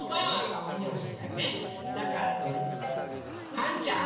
はんちゃん？